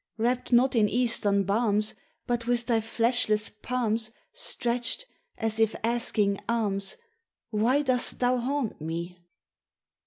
Wrapped not in Eastern balms, But with thy fleshless palms Stretched, as if asking alms, Why dost thou haunt me?"